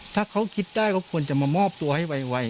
ถ้าเขาคิดได้เขาควรจะมามอบตัวให้ไว